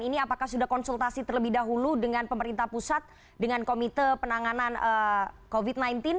ini apakah sudah konsultasi terlebih dahulu dengan pemerintah pusat dengan komite penanganan covid sembilan belas